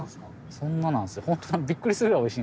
そんななんすよ。